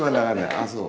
ああそう。